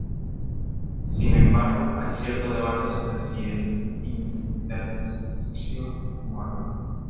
Sin embargo, hay cierto debate sobre si el intersticio es un órgano.